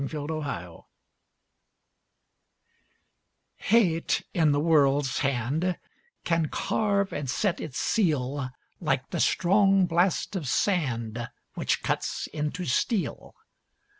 A PROUD LADY Hate in the world's hand Can carve and set its seal Like the strong blast of sand Which cuts into steel.